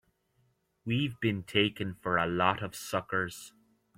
We've been taken for a lot of suckers!